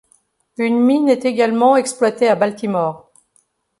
Une mine est également exploitée à Baltimore.